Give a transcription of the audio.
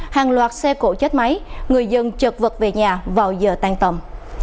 hàng loạt xe cổ chết máy người dân chật vật về nhà vào giờ tan tầm